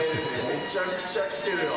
めちゃくちゃきてるよ。